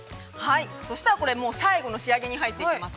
そしたらこれ、最後の仕上げに入っていきます。